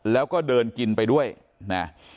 แล้วก็เดินกินไปด้วยนะ